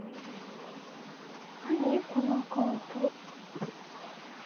何このアカウント。